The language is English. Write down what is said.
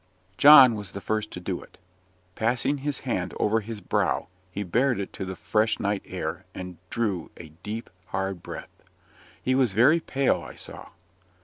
John was the first to do it. Passing his hand over his brow he bared it to the fresh night air, and drew a deep, hard breath. He was very pale, I saw.